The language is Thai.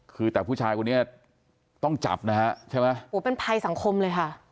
คือแต่ผู้ชายคนนี้ต้องจับนะฮะใช่ไหมโอ้โหเป็นภัยสังคมเลยค่ะ